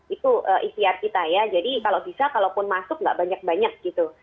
itu isiar kita ya jadi kalau bisa kalau pun masuk nggak banyak banyak gitu